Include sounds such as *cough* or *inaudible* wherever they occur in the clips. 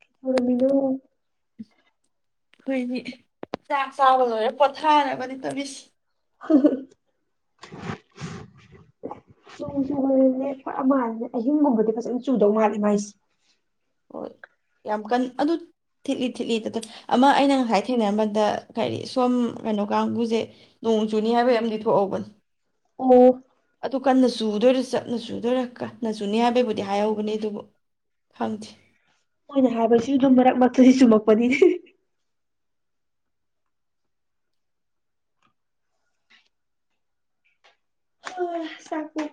ꯀꯩꯗꯧꯔꯝꯃꯤꯅꯣ? ꯍꯏꯅꯤ ꯆꯥꯛ ꯆꯥꯕ ꯂꯣꯏꯔꯦ ꯄꯊꯥꯅꯒꯅꯤ ꯇꯕꯤꯁ *unintelligible* ꯅꯣꯡ ꯆꯨꯕꯗꯅꯦ ꯈꯔ ꯃꯥꯜꯂꯦ ꯑꯍꯤꯡꯒꯨꯝꯕꯗꯤ ꯐꯖꯅ ꯆꯨꯗꯧ ꯃꯥꯜꯂꯦ ꯃꯥꯏꯁꯦ ꯍꯣꯏ ꯌꯥꯝ ꯀꯟ ꯑꯗꯨ ꯊꯤꯠꯂꯤ ꯊꯤꯠꯂꯤ ꯑꯃ ꯑꯩꯅ ꯉꯁꯥꯏ ꯊꯦꯡꯅꯝꯕꯗ ꯀꯔꯤ ꯁꯣꯝ ꯀꯩꯅꯣ ꯀꯥꯡꯕꯨꯁꯦ ꯅꯣꯡ ꯆꯨꯅꯤ ꯍꯥꯏꯕꯩ ꯑꯃꯗꯤ ꯊꯣꯛꯍꯧꯕꯅꯤ ꯑꯣ ꯑꯗꯨꯣ ꯀꯟꯅ ꯆꯨꯗꯣꯏꯔꯥ ꯆꯞꯅ ꯆꯨꯗꯣꯏꯔꯥ ꯀꯟꯅ ꯆꯨꯅꯤ ꯍꯥꯏꯕꯩꯕꯨꯗꯤ ꯍꯥꯏꯍꯧꯕꯅꯤ ꯑꯗꯨꯕꯨ ꯈꯪꯗꯦ ꯃꯣꯏꯅ ꯍꯥꯏꯕꯁꯤ ꯑꯗꯨꯝ ꯃꯔꯛ ꯃꯔꯛꯇꯗꯤ ꯆꯨꯝꯃꯛꯄꯅꯤ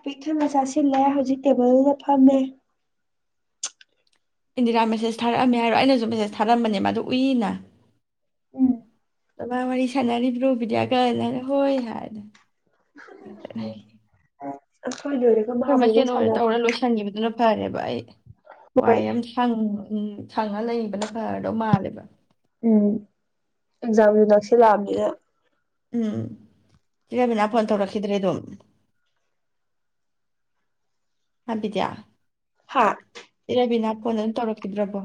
ꯄꯤꯛꯊꯅ ꯆꯥꯁꯤꯜꯂꯦ ꯍꯧꯖꯤꯛ ꯇꯦꯕꯜꯗꯨꯗ ꯐꯝꯃꯦ ꯏꯟꯗꯤꯔꯥ ꯃꯦꯁꯦꯖ ꯊꯥꯔꯛꯑꯝꯃꯦ ꯍꯥꯏꯔꯣ ꯑꯩꯅꯁꯨ ꯃꯦꯁꯦꯖ ꯊꯥꯔꯛꯑꯝꯕꯅꯦ ꯃꯥ ꯑꯗꯨ ꯎꯏꯅ ꯎꯝ *inaudible* ꯇꯃ ꯋꯥꯔꯤ ꯁꯥꯟꯅꯔꯤꯕ꯭ꯔꯣꯕꯤꯗꯌꯥ ꯀꯥꯏꯅꯔꯦ ꯍꯣꯏ ꯍꯥꯏꯅꯦ *unintelligible* *unintelligible* ꯑꯩꯈꯣꯏ ꯃꯥꯕꯨ ꯑꯃꯨꯛ ꯃꯁꯦꯟ ꯑꯣꯏꯔ ꯁꯥꯟꯅꯕꯤ ꯇꯧꯔꯒ ꯂꯣꯏꯁꯤꯟꯈꯤꯕꯗꯨꯅ ꯐꯔꯦ ꯑꯩ ꯋꯥꯏ ꯍꯣꯏ ꯌꯥꯝ ꯁꯪꯉ ꯎꯝ ꯁꯪꯉ ꯂꯩꯕꯅ ꯐꯔꯗꯧ ꯃꯥꯜꯂꯦꯕ ꯎꯝ ꯑꯦꯛꯖꯥꯝꯁꯨ ꯅꯛꯁꯤꯜꯂꯛꯑꯕꯅꯤꯅ ꯎꯝ ꯁꯤ ꯔꯕꯤꯅꯥ ꯐꯣꯟ ꯇꯧꯔꯛꯈꯤꯗ꯭ꯔꯦ ꯑꯗꯨꯝ ꯍꯥꯏꯕꯤꯗꯤꯌꯥ ꯍꯥꯥ ꯏꯔꯕꯤꯅꯥ ꯐꯣꯟ ꯑꯗꯨꯝ ꯇꯧꯔꯛꯈꯤꯗ꯭ꯔꯕꯣ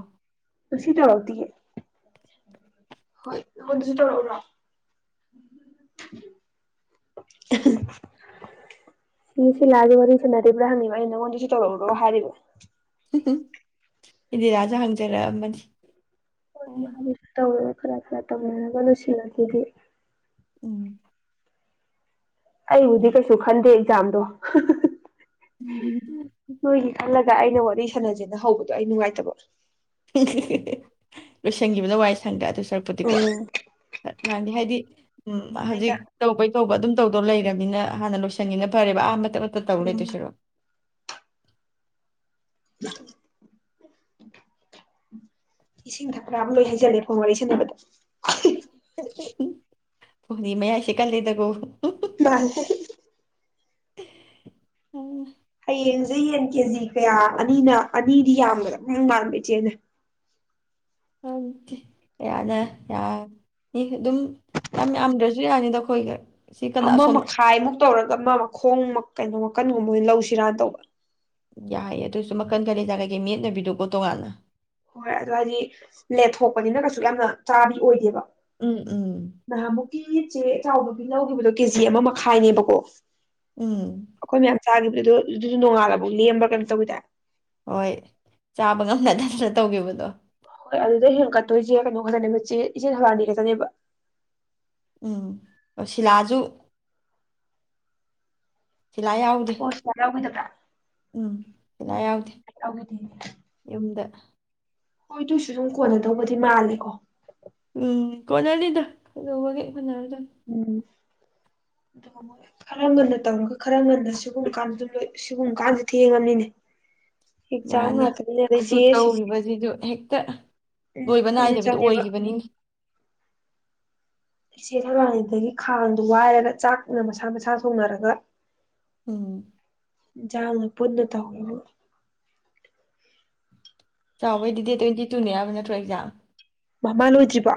ꯉꯁꯤ ꯇꯧꯔꯛꯇꯦꯌꯦ ꯍꯣꯏ ꯑꯗꯨꯁꯨ ꯇꯧꯔ꯭ꯔꯣ *inaudible* ꯁꯤ ꯁꯤ ꯂꯥꯒ ꯋꯥꯔꯤꯁꯤ ꯇꯩꯕ꯭ꯔꯥ ꯍꯪꯉꯤꯕ ꯑꯩꯩꯅ ꯅꯉꯣꯟꯗꯁꯨ ꯇꯧꯔꯛꯎꯔꯣ ꯍꯥꯏꯔꯤꯕ ꯎꯝ ꯏꯟꯗꯤ ꯔꯥꯖꯨ ꯍꯪꯖꯔꯛꯑꯝꯕꯅꯤ *unintelligible* ꯈꯔ ꯇꯅꯒꯁꯤꯅꯗꯤ ꯎꯝ ꯑꯩꯕꯨꯗꯤ ꯀꯩꯁꯨ ꯈꯟꯗꯦ ꯑꯦꯛꯖꯥꯝꯗꯣ ꯍꯣꯏ ꯀ ꯑꯗ ꯑꯩꯅ ꯋꯥꯔꯤ ꯁꯥꯟꯅꯖꯦꯅ ꯍꯧꯕꯗꯣ ꯑꯩ ꯅꯨꯡꯉꯥꯏꯇꯕ ꯂꯣꯏꯁꯟꯈꯤꯕꯅꯣ ꯋꯥꯏ ꯁꯪꯗ꯭ꯔ ꯑꯗꯨ ꯁꯔꯛꯄꯨꯗꯤꯀꯣ ꯅꯥꯟ ꯍꯥꯏꯗꯤ ꯎꯝ ꯍꯧꯖꯤꯛ ꯉꯥꯏꯗ ꯇꯧꯕꯩ ꯇꯧꯕ ꯑꯗꯨꯝ ꯇꯧꯗꯣ ꯂꯩꯔꯕꯅꯤꯅ ꯍꯥꯟꯅ ꯂꯣꯏꯁꯤꯟꯉꯅ ꯐꯔꯦꯕ ꯑꯥ ꯠꯇ ꯇꯧ ꯂꯩꯦ ꯎꯝ ꯇ ꯁꯤꯔꯣ *unintelligible* ꯏꯁꯤꯡ ꯊꯛꯄ ꯑꯃ ꯂꯣꯏ ꯍꯩꯖꯤꯜꯂꯦ ꯐꯣꯟ ꯋꯥꯔꯤ ꯁꯥꯟꯅꯕꯗ ꯎ ꯎꯝ ꯐꯗꯤ ꯃꯌꯥꯏꯁꯦ ꯀꯜꯂꯤꯦꯗꯒꯣ ꯃꯥꯜꯂꯦ ꯑꯣ ꯍꯌꯦꯡꯁꯨ ꯌꯦꯟ ꯀꯦꯖꯤ ꯀꯌꯥ ꯑꯅꯤꯅ ꯑꯅꯤꯗꯤ ꯌꯥꯝꯕꯗ ꯃꯥꯟꯕꯥꯟꯕ ꯏꯆꯦꯅ ꯑꯗꯨ ꯌꯥꯗ ꯌꯥ ꯏ ꯑꯗꯨꯝ ꯌꯥꯝ ꯌꯥꯝꯗ꯭ꯔꯁꯨ ꯌꯥꯅꯤꯗꯈꯣꯏꯒ ꯑꯃ ꯃꯈꯥꯏꯃꯨꯛ ꯇꯧꯔꯒ ꯃꯥ ꯃꯈꯣꯡ ꯀꯩꯅꯣ ꯃꯈꯀꯟꯒꯨꯝꯕꯣꯏ ꯑꯣꯏꯅ ꯂꯧꯁꯤꯔꯥꯅ ꯇꯧꯕ ꯌꯥꯏꯌꯦ ꯑꯗꯨꯏꯁꯨ ꯃꯈꯟꯗ ꯂꯩꯖ ꯀꯩꯀꯩ ꯃꯦꯠꯅꯕꯤꯗꯨꯀꯣ ꯇꯣꯉꯥꯟꯅ ꯍꯣꯏ ꯑꯗꯨ ꯍꯥꯏꯗꯤ ꯂꯦꯠꯊꯣꯛꯄꯅꯤꯅ ꯀꯩꯁꯨ ꯌꯥꯝꯅ ꯆꯥꯕꯤ ꯑꯣꯏꯗꯦꯕ ꯎꯝ ꯎꯝ ꯃꯨꯀꯤ ꯎꯆꯦ ꯆꯥꯎꯕꯒꯤ ꯂꯧꯈꯤꯕꯗꯣ ꯀꯦꯖꯤ ꯑꯃ ꯃꯈꯥꯏꯅꯦꯕꯀꯣ ꯎꯝ ꯆꯥꯈꯤꯕꯅꯦ ꯑꯗꯣ ꯑꯗꯨꯗꯤ ꯅꯣꯡꯉꯥꯂꯕꯨ ꯂꯦꯝꯕ꯭ꯔꯥ ꯀꯩꯅꯣ ꯇꯧꯋꯤꯗ ꯍꯣꯏ ꯆꯥꯕ ꯉꯝꯅ ꯅꯠꯇꯅ ꯇꯧꯈꯤꯕꯗꯣ ꯍꯣꯏ ꯑꯗꯨꯗ ꯍꯦꯟꯀꯠꯇꯣꯏꯁꯦ ꯀꯩꯅꯣ ꯈꯛꯇꯅꯦꯕꯆꯦ ꯏꯆꯦ ꯊꯋꯥꯅꯤ ꯈꯛꯇꯅꯦꯕ ꯎꯝ ꯁꯤꯂꯥꯁꯨ ꯁꯤꯂꯥ ꯌꯥꯎꯗꯦ ꯑꯣ ꯁꯤꯗ ꯌꯥꯎꯈꯤꯗꯕ꯭ꯔꯥ ꯎꯝ ꯁꯤꯂꯥ ꯌꯥꯎꯗꯦ ꯌꯥꯎꯈꯤꯗꯦꯅꯦ ꯌꯨꯝꯗ ꯍꯣꯏ ꯇꯣꯏꯁꯨ ꯑꯗꯨꯝ ꯀꯣꯟꯅꯗꯧꯕꯗꯤ ꯃꯥꯜꯂꯦꯀꯣ ꯀꯣꯟꯅꯔꯤꯗ ꯀꯩꯗꯧꯕꯒ ꯎꯅꯔꯗꯣ ꯑꯗꯨ ꯣꯏ ꯈꯔ ꯉꯟꯅ ꯇꯧꯔꯒ ꯈꯔ ꯉꯟꯅꯁꯨ ꯁꯤꯒꯨꯝꯕ ꯀꯥꯟꯗ ꯑꯗꯨꯣꯏ ꯁꯤꯒꯨꯝꯕ ꯀꯥꯟꯁꯨ ꯊꯦꯡꯉꯕꯅꯤꯅꯦ ꯑꯦꯛꯖꯥꯝ ꯃꯥꯅꯦ ꯉꯥꯛꯇꯅꯤꯅ ꯑꯗꯩ ꯆꯦ ꯑꯗꯨ ꯁꯤꯁꯦ ꯇꯧꯔꯤꯕꯁꯤꯗ ꯍꯦꯛꯇ ꯎꯝ ꯂꯣꯏꯕ ꯀꯨꯏꯅ ꯅꯥꯏꯗꯕꯤꯗ ꯆꯪꯉꯦꯕ ꯑꯣꯏꯈꯤꯕꯅꯤꯅꯤ ꯏꯆꯦ ꯊꯧꯔꯥꯅꯤꯗꯒꯤ ꯈꯥꯡꯗꯣ ꯋꯥꯏꯔꯒ ꯆꯥꯛꯅ ꯃꯁꯥ ꯃꯁꯥ ꯊꯣꯡꯅꯔꯒ ꯎꯝ ꯆꯥꯡꯅ ꯄꯨꯟꯅ ꯇꯧꯋ *unintelligible* ꯆꯥꯎꯕꯩꯗꯤ ꯗꯦꯠ ꯇ꯭ꯋꯦꯟꯇꯤ ꯇꯨꯅꯦ ꯍꯥꯏꯕ ꯅꯠꯇ꯭ꯔꯣ ꯑꯦꯛꯖꯥꯝ ꯃꯃꯥ ꯂꯣꯏꯗ꯭ꯔꯤꯕꯣ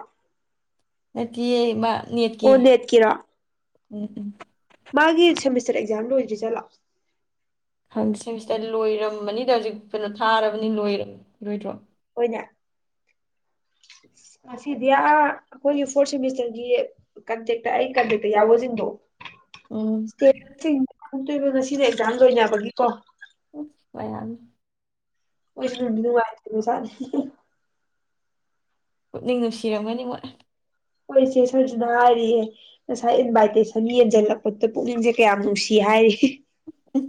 ꯅꯥꯠꯇꯌꯦ ꯃꯥ ꯑꯣ ꯅꯦꯠ ꯀꯤꯔꯣ ꯎꯝ ꯎꯝ ꯃꯥꯒꯤ ꯁꯦꯃꯤꯁꯇꯔ ꯑꯦꯛꯖꯥꯝ ꯂꯣꯏꯗ꯭ꯔꯤꯖꯥꯠꯂꯣ ꯍꯪꯁꯪꯁꯤꯗ ꯂꯣꯏꯔꯝꯕꯅꯤꯗ ꯍꯧꯖꯤꯛ ꯀꯩꯅꯣ ꯊꯥꯔꯕꯅꯤ ꯂꯣꯏ ꯂꯣꯏꯗ꯭ꯔꯣ *inaudible* ꯍꯁꯤꯗꯌꯥ ꯍꯣꯏ ꯐꯣꯔꯠ ꯁꯦꯃꯤꯁꯇꯔꯒꯤ ꯀꯟꯇꯛꯇ ꯑꯩ ꯀꯟꯗꯛꯇ ꯌꯥꯎꯖꯤꯟꯗꯣ ꯎꯝ ꯁꯇꯦ *inaudible* *unintelligible* ꯁꯤꯅ ꯑꯦꯛꯖꯥꯝ ꯂꯣꯏꯅꯦꯕꯒꯤ ꯀꯣ ꯑꯁ ꯃꯌꯥꯝ ꯑꯣ ꯃꯨꯗꯤ *unintelligible* ꯍꯩꯕ ꯖꯥꯇꯅꯦ ꯄꯨꯛꯅꯤꯡ ꯅꯨꯡꯁꯤꯔꯝꯒꯅꯤꯉꯣꯏ ꯑꯩꯏ ꯏꯁꯦ ꯁꯔꯁꯤꯅ ꯍꯥꯏꯔꯤꯌꯦ ꯉꯁꯥꯏ ꯏꯟꯚꯥꯏꯇꯦꯁꯟ ꯌꯦꯡꯁꯤꯜꯂꯛꯄꯗ ꯄꯨꯛꯅꯤꯡꯁꯦ ꯀꯌꯥꯝ ꯅꯨꯡꯁꯤ ꯍꯥꯏꯔꯤ ꯎ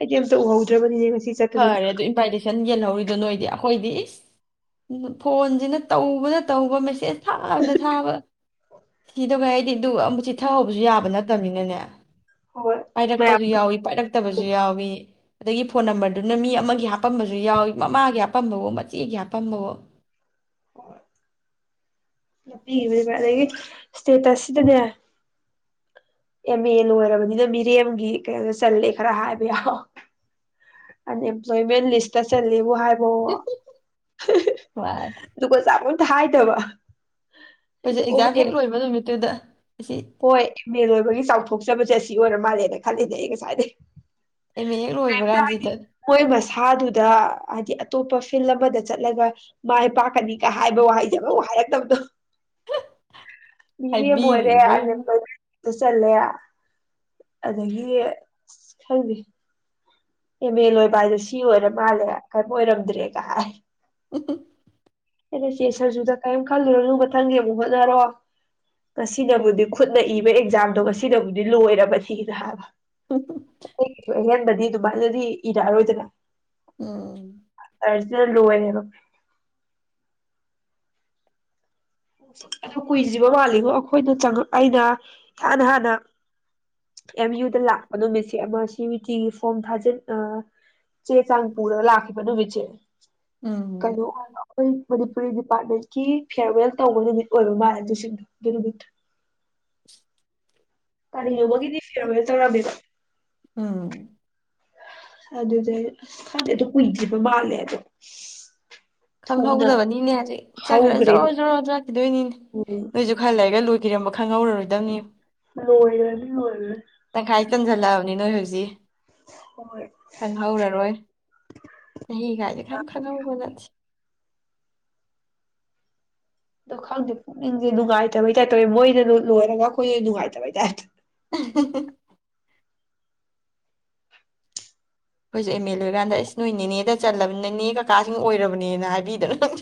ꯑꯩꯗꯤ ꯑꯝꯇ ꯎꯍꯧꯗ꯭ꯔꯕꯅꯤꯅꯦ ꯆꯠꯄꯗꯨꯗ ꯐꯔꯦ ꯑꯗꯨ ꯏꯟꯚꯥꯏꯇꯦꯁꯟ ꯌꯦꯜꯍꯧꯔꯤꯗꯨ ꯑꯗꯨ ꯅꯣꯏꯗꯤ ꯑꯩꯈꯣꯏꯗꯤ ꯏꯁ ꯐꯣꯟꯁꯤꯅ ꯇꯧꯕꯅ ꯇꯧꯕ ꯃꯦꯁꯦꯖ ꯊꯥꯕꯅ ꯊꯥꯕ ꯁꯤꯗ ꯀꯩ ꯍꯥꯏꯗꯤ ꯑꯗꯨ ꯑꯃꯨꯛ ꯆꯤ ꯊꯍꯧꯕꯁꯨ ꯌꯥꯕ ꯅꯠꯇꯕꯅꯤꯅꯅꯦ ꯍꯣꯏ ꯃꯌꯥꯝ ꯄꯥꯏꯔꯛꯄꯁꯨ ꯌꯥꯎꯏ ꯄꯥꯏꯔꯛ ꯇꯥꯕꯥꯖꯨ ꯌꯥꯎꯏ ꯑ ꯐꯣꯟ ꯅꯕꯔ ꯑꯗꯨꯅ ꯃꯤ ꯑꯃꯒꯤ ꯍꯥꯄꯝꯕꯁꯨ ꯌꯥꯎꯏꯤ ꯃꯃꯥꯒꯤ ꯍꯥꯄꯝꯕꯕꯣ ꯃꯆꯦꯒꯤ ꯍꯥꯄꯝꯕꯕꯣ ꯍꯣꯏ *unintelligible* ꯑꯗꯒꯤ ꯏꯁꯇꯦꯇꯁ ꯁꯤꯗꯅꯦ ꯑꯦꯝ ꯑꯦ ꯂꯣꯏꯔꯕꯅꯤꯅ ꯃꯤꯔꯦꯝꯒꯤ ꯀꯩꯅꯣꯗ ꯆꯂꯦ ꯈꯔ ꯍꯥꯏꯕ ꯌꯥꯕ ꯑꯟꯑꯦꯝꯄ꯭ꯂꯣꯏꯃꯦꯟ ꯂꯤꯁꯇ ꯆꯂꯦꯕꯨ ꯍꯥꯏꯕ ꯑꯣ ꯑꯩꯈꯣꯏꯁꯨ ꯑꯗꯨꯒꯥ ꯆꯕ ꯇ ꯍꯥꯏꯗꯕ ꯑꯩꯅ ꯑꯩꯈꯣꯏꯦ ꯑꯣ ꯑꯦꯛꯖꯥꯝ ꯍꯦꯛ ꯑꯦꯝ ꯂꯣꯏꯕ ꯅꯨꯃꯤꯠꯇ ꯑꯗꯨꯗ ꯍꯣꯏ ꯃꯦꯟꯂꯣꯏꯕꯒꯤ ꯆꯥꯎꯊꯣꯛꯆꯕꯁꯦ ꯁꯤ ꯑꯣꯏꯔ ꯃꯥꯜꯂꯦꯅ ꯈꯜꯂꯤꯅꯦ ꯑꯩ ꯉꯁꯥꯏꯗꯤ ꯑꯦꯝ ꯑꯦ ꯍꯦꯛ ꯂꯣꯏꯕ ꯀꯔꯤ ꯇ ꯀꯥꯟꯁꯤꯗ ꯃꯣꯏ ꯃꯁꯥꯗꯨꯗ ꯍꯥꯏꯗꯤ ꯑꯇꯣꯞꯄ ꯐꯤꯜ ꯑꯃꯗ ꯆꯠꯂꯒ ꯃꯥꯏ ꯄꯥꯛꯀꯅꯤ ꯀ ꯍꯥꯏꯕ ꯋꯥꯍꯩꯖꯕ ꯍꯥꯏꯔꯛꯇꯕꯗꯣ ꯃꯤꯔꯦꯝ ꯑꯣꯏꯔꯦ ꯍꯥꯏꯕꯤꯔꯤꯅꯤ ꯃꯣꯏ ꯆꯂꯦ ꯑꯗꯨꯗꯒꯤ ꯈꯪꯕꯤ ꯑꯦꯝ ꯑꯦꯜ ꯑꯣꯏꯕ ꯍꯥꯏꯗꯣ ꯁꯤ ꯑꯣꯏꯔ ꯃꯥꯜꯂꯦ ꯀꯔꯤꯝ ꯑꯣꯏꯔꯝꯗ꯭ꯔꯦꯒ ꯍꯥꯏ ꯎ ꯁꯦꯁꯔꯖꯨꯗ ꯀꯥꯏ ꯈꯜꯂꯨꯔ ꯅ ꯃꯊꯪꯒꯤ ꯑꯃꯨꯛ ꯍꯣꯠꯅꯔꯣ ꯉꯅꯕꯨꯗꯤ ꯈꯨꯠꯅ ꯏ ꯑꯦꯛꯖꯥꯝꯗꯣꯒꯁꯤꯗꯕꯨꯗꯤ ꯂꯣꯏꯔꯕ ꯊꯤꯗ ꯍꯥꯏꯕ ꯍ ꯚꯥꯏꯅꯗꯤ ꯏꯔꯔꯣꯏꯗꯅ ꯎꯝ ꯆꯔꯁ ꯂꯣꯏꯅꯤꯕ ꯑꯗꯨ ꯀꯨꯏꯗ꯭ꯔꯤꯕ ꯃꯥꯜꯂꯤꯉꯣ ꯑꯩꯈꯣꯏꯗ ꯆꯪꯉꯛ ꯑꯩꯅ ꯏꯍꯥꯟ ꯍꯥꯟꯅ ꯑꯦꯝ ꯌꯨꯗ ꯂꯥꯛꯄ ꯅꯨꯃꯤꯠꯁꯦ ꯑꯃ ꯁꯤꯇꯤꯁ ꯐꯣꯝ ꯊꯥꯖꯤꯟ ꯆꯦ ꯆꯪꯄꯨꯔꯔ ꯂꯥꯛ ꯃꯅꯣ ꯦ ꯑꯝ ꯃꯅꯤꯄꯨꯔꯤ ꯗꯤꯄꯥꯔꯠꯃꯦꯟꯀꯤ ꯐꯤꯌꯔꯋꯦꯜ ꯇꯧꯕ ꯅꯨꯃꯤꯠ ꯑꯣꯏꯔꯣ ꯃꯥꯜꯂꯦ ꯑꯗꯨꯁꯤꯡꯗꯣ ꯑꯗꯨ ꯅꯨꯃꯤꯠꯇ ꯀꯦ ꯌꯧꯕꯒꯤꯗꯤ ꯐꯦꯔꯃꯦ ꯇꯧꯔꯕꯤꯦꯕꯥ ꯎꯝ ꯑꯗꯨ ꯑꯗꯨꯗ ꯐ ꯑꯗꯨ ꯎ ꯄꯕꯥꯂꯦꯗ *unintelligible* ꯈꯪꯍꯧꯗꯕꯅꯤꯅꯦ ꯍꯥꯏ ꯈꯔ ꯖꯣ ꯍꯧꯒ꯭ꯔꯦꯕ ꯖꯣꯔꯔꯣꯥꯛꯈꯤꯗꯣꯏꯅꯤꯅꯦ ꯎꯝ ꯅꯣꯏꯁꯨ ꯈꯔ ꯂꯩꯔꯒ ꯂꯣꯏꯈꯤꯔꯃ ꯈꯪꯍꯧꯔꯔꯨꯗꯪꯅꯤ ꯃ ꯑꯣꯏꯔꯅꯤꯔ ꯖꯤ *unintelligible* ꯈꯪꯍꯧꯔꯔꯣꯏ ꯆꯍꯤ ꯀꯥꯏꯗꯤꯦ ꯈꯔ ꯈꯪꯍꯧꯕ ꯅꯠꯇꯦ ꯑꯗꯨ ꯈꯗ ꯅꯨꯡꯉꯥꯏꯇꯕꯩ ꯇꯥꯏ ꯇꯧꯋꯦ ꯃꯣꯏꯅ ꯂꯣꯏꯔꯒ ꯑꯩꯈꯣꯏꯁꯨ ꯅꯨꯡꯉꯥꯏꯇꯕꯩ ꯇꯥꯏꯦ ꯑꯩꯈꯣꯏꯁꯨꯦ ꯑꯦꯝ ꯑꯦꯜ ꯂꯔꯀꯥꯟꯗ ꯑꯁ ꯅꯣꯏꯅꯦꯅꯦꯗ ꯆꯜꯂꯕꯅꯤꯅꯦ ꯀꯀꯥꯁꯤꯡ ꯑꯣꯏꯔꯕꯅꯦꯅ ꯍꯥꯏꯕꯤꯗꯅ ꯅꯪ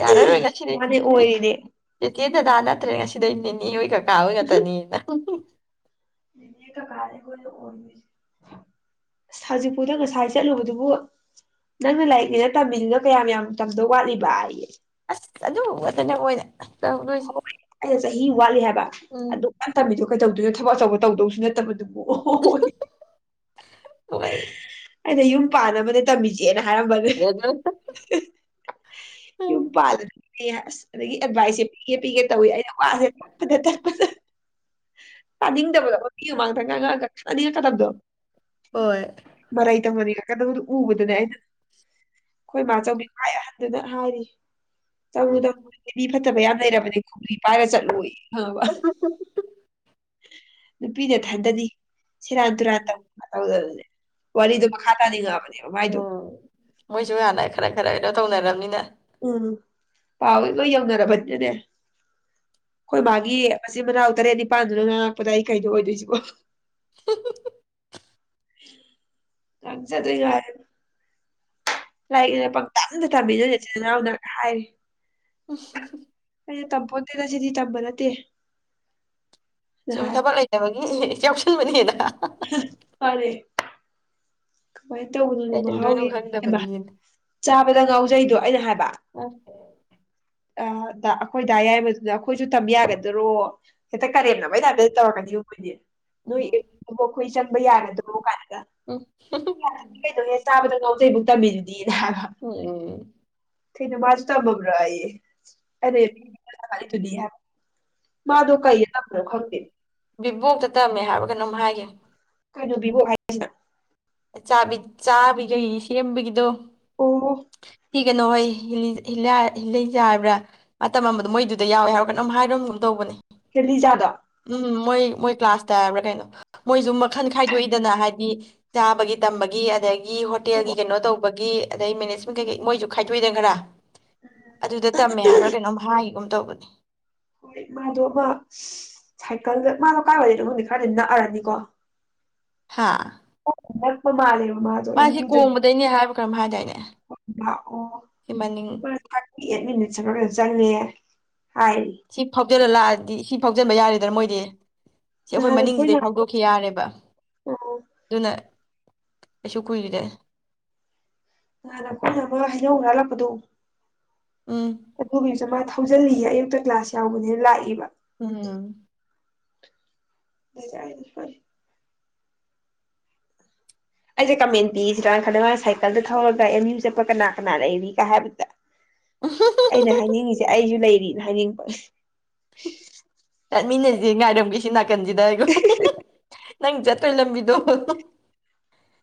ꯌꯥꯔꯔ ꯔꯒꯁꯤꯅꯦꯁꯤ ꯃꯥꯅꯦ ꯑꯣꯏꯔꯤꯅꯦ ꯁꯤꯗ ꯅꯦꯅꯦ ꯍꯣꯏ ꯈꯛ ꯀꯥꯎ ꯉ ꯇꯅꯤꯅ ꯅꯦ ꯀꯀꯥ ꯑꯩꯈꯣꯏꯅ ꯑꯣꯏ ꯑꯁ ꯍꯧꯖꯤꯛꯄꯨꯗ ꯉꯁꯥꯏ ꯆꯠꯂꯨꯕꯗꯨꯕꯨ ꯅꯪꯅ ꯂꯥꯏꯔꯤꯛꯅꯤꯅ ꯇꯝꯃꯤꯗꯨꯅ ꯀꯌꯥꯝ ꯌꯥꯝ ꯇꯝꯗꯧ ꯋꯥꯠꯂꯤꯕ ꯑꯩꯌꯦ ꯑꯁ ꯑꯗꯨ ꯈꯇꯅ ꯑꯣꯏꯗ ꯍꯣꯏꯗ ꯆꯍꯤ ꯋꯥꯠꯂꯤ ꯍꯥꯏꯕ ꯎꯝ ꯑꯗꯨ ꯀ ꯇꯝꯃꯤꯗꯣ ꯀꯩꯗꯧꯗꯣꯏꯅꯣ ꯊꯕꯛ ꯑꯆꯧꯕ ꯇꯧꯗꯧꯁꯤ ꯅꯠꯇꯕ ꯑꯣ ꯍꯣꯏ *unintelligible* ꯑꯗ ꯌꯨꯝ ꯄꯥꯟ ꯑꯃꯗ ꯇꯝꯃꯤꯁꯦ ꯌꯦꯅ ꯍꯔꯕꯅꯦ *unintelligible* ꯑꯗꯒꯤ ꯑꯦꯗꯚꯥꯏꯁ ꯄꯤꯒꯦ ꯄꯤꯒꯦ ꯇꯧꯏ ꯑꯩꯅ ꯋꯥꯁꯦꯠꯄ ꯇꯥꯅꯤꯡꯗꯕꯗꯣ ꯃꯤ ꯃꯃꯥꯡꯗ ꯉꯥꯡꯉꯛꯑꯒ ꯉꯥꯅꯤꯡꯉꯛꯀꯗꯕꯗꯣ ꯍꯣꯏ ꯃꯔꯩ ꯇꯧꯅꯅꯤꯡꯉꯛꯀꯗꯕꯗꯨꯣ ꯎꯕꯗꯨꯅꯦ ꯑꯩꯅ ꯑꯩꯈꯣꯏ ꯃꯥ ꯆꯧꯕꯤ ꯈ꯭ꯋꯥꯏ ꯑꯍꯟ ꯗ ꯍꯥꯏꯔꯤ ꯇꯧꯔꯨ ꯇꯧ ꯐꯠꯇꯕ ꯌꯥꯗ ꯂꯩꯔꯕꯗꯤ ꯈ꯭ꯔꯤ ꯄꯥꯏꯔ ꯆꯠꯂꯨ ꯑꯕ ꯁꯦꯔꯥꯟ ꯇꯨꯔꯥꯟ ꯇꯧꯗꯅ ꯇꯧꯗꯅꯅꯦ ꯋꯥꯔꯤꯗꯣ ꯃꯈꯥ ꯇꯥꯅꯤꯡꯉꯛꯑꯕꯅꯦꯕ ꯃꯥꯏꯗꯣ ꯎꯝ ꯃꯣꯏꯁꯨ ꯍꯥꯟꯅ ꯈꯔ ꯈꯔ ꯀꯩꯅꯣ ꯇꯧꯅꯔꯝ ꯅ ꯎꯝ ꯄꯥꯎ ꯂꯣꯏ ꯌꯧꯅꯔꯕꯅꯤꯅꯅꯦ ꯑꯩꯈꯣꯏ ꯃꯥꯒꯤ ꯃꯆꯤꯟ ꯃꯅꯥꯎ ꯇꯔꯦꯠ ꯅꯤꯄꯥꯥꯟꯗꯨꯅ ꯉ ꯂꯥꯛꯄꯗ ꯑꯩ ꯀꯩꯗꯣ ꯑꯣꯏꯗꯣꯏꯁꯤꯕꯣ *unintelligible* *unintelligible* ꯉꯥꯡꯖꯗ꯭ꯔꯦ ꯌꯥꯔ ꯂꯥꯏꯔꯤꯛꯅꯦꯅ ꯄꯪꯇꯝꯗ ꯑꯇ ꯅꯣ ꯌꯥꯎꯗ ꯍꯥꯏ ꯑ *unintelligible* ꯀꯁ ꯇꯝꯄꯣꯠꯇꯦꯗ ꯁꯤꯗꯤ ꯇꯝꯕ ꯠꯇꯦ ꯁꯨꯝ ꯊꯕꯛ ꯂꯩꯇꯕꯒꯤ *unintelligible* ꯁꯨꯃꯥꯏꯅ ꯇꯧꯕꯗꯅ ꯀꯩꯗꯧꯗꯣꯏꯅꯣ ꯃꯍꯥꯎꯋ ꯈꯪꯗꯕꯒꯤꯅ ꯆꯥꯕꯗ ꯉꯥꯎꯖꯩꯗꯣ ꯑꯩꯅ ꯍꯥꯏꯕ ꯎꯝ ꯑ ꯑꯩꯈꯣꯏꯗꯥ ꯑꯌꯥꯏꯕꯗꯨꯗ ꯑꯩꯈꯣꯏꯁꯨ ꯇꯝ ꯌꯥꯒꯗꯔꯣ ꯍꯦꯛꯇ ꯀꯔꯦꯝꯅꯕꯩ ꯇꯥꯏꯕꯇ ꯇꯧꯔꯛꯀꯅꯤ ꯃꯣꯏꯗꯤ *unintelligible* ꯌꯥꯒꯗ꯭ꯔꯣ ꯀꯥꯏꯅꯒ ꯎꯝ ꯎꯝ ꯀꯩꯅꯣꯍꯦ ꯆꯥꯕꯗ ꯉꯥꯎꯖꯩꯕꯨꯛ ꯇꯝꯃꯤꯗꯨꯗꯤꯅ ꯍꯥꯏꯕ ꯎꯝ꯫ ꯀꯩꯅꯣ ꯃꯁꯨ ꯇꯝꯃꯥꯕꯔꯥꯌꯦ ꯫ *unintelligible* ꯕꯤꯕꯣꯛꯇ ꯇꯝꯃꯦ ꯍꯥꯏꯕ ꯀꯩꯅꯣꯝ ꯍꯥꯏꯒꯤꯝ ꯀꯩꯅꯣꯕꯤꯕꯣ ꯍꯥꯏꯁꯤꯅ? ꯆꯥꯕꯤꯈꯩ ꯁꯦꯝꯔꯕꯒꯤꯗꯣ ꯑꯣ꯫ *unintelligible* ꯇꯝ ꯃꯝ ꯕꯗꯣ ꯃꯣꯏꯗꯨꯗ ꯌꯥꯎꯋꯦ ꯍꯥꯏꯔ ꯀꯅꯣꯝ ꯍꯥꯏꯔꯝꯒꯨꯝ ꯇꯧꯕꯅꯦ ꯍꯦꯂꯤꯖꯥꯗꯣ ꯎꯝ ꯃꯣꯏ - ꯃꯣꯏ ꯀ꯭ꯂꯥꯁ ꯇꯕꯔ ꯀꯩꯅꯣ ꯃꯣꯏꯁꯨ ꯃꯈꯟ ꯈꯥꯏꯗꯣꯛꯏꯗꯅ ꯍꯥꯏꯗꯤ ꯆꯥꯕꯒꯤ ꯇꯝꯕꯒꯤ ꯑꯗꯒꯤ ꯍꯣꯇꯦꯜꯒꯤ ꯀꯩꯅꯣ ꯇꯧꯕ ꯒꯤ ꯑꯗꯩ ꯃꯦꯅꯦꯖꯃꯦꯟ ꯀꯩꯀꯩ ꯃꯣꯏꯁꯨ ꯈꯥꯏꯗꯣꯛꯏꯗꯅ ꯈꯔ ꯑꯗꯨꯗ ꯇꯝꯃꯦ ꯍꯥꯏꯔ ꯀꯩꯅꯣꯝ ꯍꯥꯏꯒꯨꯝ ꯇꯧꯕꯅꯤ ꯍꯣꯏ ꯃꯥꯗꯣ ꯑꯃ ꯁꯥꯏꯀꯜꯗ ꯃꯥꯗꯣ ꯀꯥꯏꯕꯗꯗꯣꯗꯤ ꯈꯔꯗꯤ ꯅꯛꯑꯔꯅꯤꯀꯣ ꯍꯥꯥ꯫ ꯅꯛꯄ ꯃꯜꯂꯦꯕꯥ ꯃꯁꯤ ꯀꯣꯡꯕꯗꯩꯅꯤ ꯍꯥꯏ ꯀꯔꯝ ꯍꯥꯏꯗꯏꯅ ꯂꯥꯛꯑꯣ ꯑꯗꯨꯒ ꯑꯦꯠ ꯃꯤꯅꯤꯠꯁ ꯈꯔꯥ ꯆꯉꯥ ꯁꯤ ꯐꯥꯎꯖꯤꯜꯂ ꯂꯥꯛꯑꯗꯤ ꯁꯤ ꯐꯥꯎꯖꯤꯟꯕ ꯌꯥꯔꯦꯗꯅ ꯃꯣꯏꯗꯤ ꯁꯤ ꯑꯩꯈꯣꯏ ꯅꯍꯥꯟ ꯑꯩꯈꯣꯏꯅ ꯃꯅꯤꯡꯁꯤꯗꯩ ꯐꯥꯎꯗꯣꯛꯈꯤ ꯌꯥꯔꯦꯕ ꯑꯥ ꯑꯗꯨꯅ ꯑꯩꯁꯨ ꯀꯨꯏꯔꯦ ꯑ ꯅꯀꯣꯏ ꯅꯃ ꯍꯩꯅꯧ ꯍꯨꯔꯥꯜ ꯂꯥꯛ ꯄꯗꯣ ꯎꯝ *unintelligible* ꯍꯧꯖꯤꯜꯂꯤꯌꯦꯦ ꯑꯌꯨꯛꯇ ꯀ꯭ꯂꯥꯁ ꯌꯥꯎꯕꯅꯦꯅ ꯂꯥꯛꯏꯕ ꯎꯝ꯫ ꯁ ꯐꯔꯦ ꯑꯩꯁꯦ ꯀꯃꯦꯟ ꯄꯤꯁꯤꯔ ꯈ ꯁꯥꯏꯀꯜꯗ ꯊꯧꯔꯒ ꯑꯦꯝ ꯌꯨ ꯆꯠꯄ ꯀꯅꯥ ꯀꯅꯥꯅ ꯏꯔꯤꯒ ꯍꯥꯏꯕꯗ ꯑꯩꯅ ꯍꯥꯏꯅꯤꯡꯉꯤꯁꯦ ꯑꯩꯁꯨ ꯂꯩ *unintelligible* ꯍꯥꯏꯅꯤꯡꯕ ꯆꯠꯃꯤꯅꯁꯤ ꯉꯥꯏꯔꯝꯒꯦꯁꯤ ꯅꯥꯀꯟꯁꯤꯗ ꯑꯣ ꯅꯪ ꯆꯠꯇꯣꯏ ꯂꯝꯕꯤꯗꯣ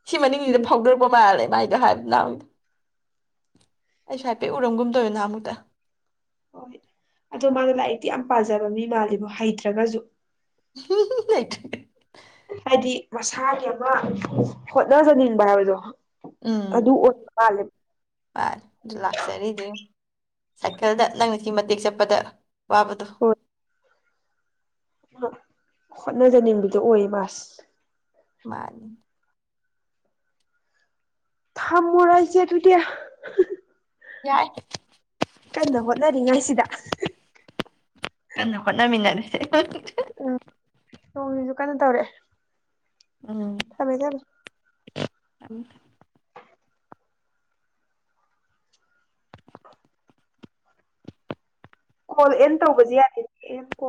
ꯁꯤ ꯃꯅꯤꯡꯁꯤꯗ ꯎꯝ ꯐꯥꯎꯗꯣꯔꯛꯄ ꯃꯥꯜꯂꯦ ꯥꯏꯗ ꯍꯥꯏꯕ ꯅꯍꯨ ꯑꯩꯁꯨ ꯍꯥꯏꯐꯦꯠ ꯎꯔꯝꯒꯨꯝꯗꯧꯋ ꯅꯍ ꯑꯃꯨꯛꯇ ꯍꯣꯏꯣꯏ ꯑꯗꯣ ꯃꯥꯅ ꯂꯥꯏꯔꯤꯛꯇꯤ ꯌꯥꯝ ꯄꯥꯖꯕ ꯃꯤ ꯃꯥꯜꯂꯤꯕꯣ ꯍꯩꯇ꯭ꯔꯒꯁꯨ ꯎꯝ ꯂꯩ *unintelligible* ꯍꯥꯏꯗꯤ ꯃꯁꯥꯒꯤ ꯑꯃ ꯍꯣꯠꯅꯖꯅꯤꯡꯕ ꯍꯥꯏꯕꯗꯣ ꯎꯝ ꯑꯗꯨ ꯑꯣꯏꯕ ꯃꯥꯜꯂꯦꯕ ꯍ ꯂꯥꯛꯁꯔꯤꯗ ꯁꯥꯏꯀꯜꯗ ꯅꯪꯅꯒꯤ ꯃꯇꯦꯛ ꯆꯠꯄꯗ ꯋꯥꯕꯗꯣ ꯍꯣꯠꯅꯖꯅꯤꯡꯕꯗꯨ ꯑꯣꯏꯌꯦ ꯃꯥꯁ ꯃꯥꯅꯤ ꯊꯝ ꯃꯔꯥꯏꯁꯦ ꯑꯗꯨꯗꯤ ꯌꯥꯏ ꯀꯟꯅ ꯍꯣꯠꯅꯔꯤꯉꯩ ꯁꯤꯗ ꯀ ꯍꯣꯟꯠꯅꯃꯤꯟꯅꯔꯁꯦ ꯎꯝ ꯅꯣꯡꯁꯨ ꯀꯟꯅꯣ ꯇꯧꯔꯑꯦ ꯊꯝꯃꯦ ꯊꯃꯦ ꯊ *unintelligible* ꯍꯣꯜ ꯑꯦꯟ ꯇꯧꯕꯁꯤ ꯌꯥꯗꯦ ꯌꯦꯡ ꯀꯣ